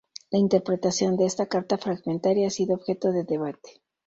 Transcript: La interpretación de esta carta fragmentaria ha sido objeto de debate.